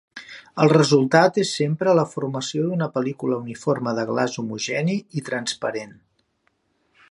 El resultat és sempre la formació d'una pel·lícula uniforme de glaç homogeni i transparent.